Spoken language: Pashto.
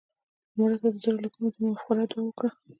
مړه ته د زړه له کومې د مغفرت دعا وکړه